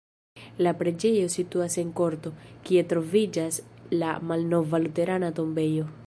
La preĝejo situas en korto, kie troviĝas la malnova luterana tombejo.